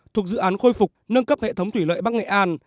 thuộc dự án khôi phục nâng cấp hệ thống thủy lợi bắc nghệ an